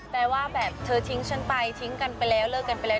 ว่าแบบเธอทิ้งฉันไปทิ้งกันไปแล้วเลิกกันไปแล้ว